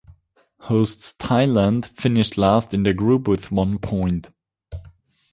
Hosts Thailand finished last in their group with one point.